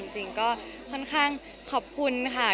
จริงก็ค่อนข้างขอบคุณค่ะ